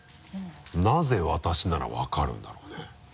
なぜ私ならわかるんだろうね？